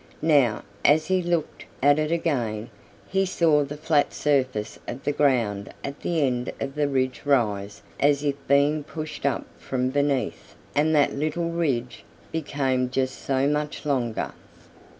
Now as he looked at it again, he saw the flat surface of the ground at the end of the ridge rise as if being pushed up from beneath, and that little ridge became just so much longer.